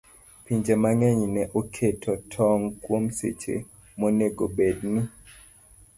Pinje mang'eny ne oketo tong' kuom seche monego obed ni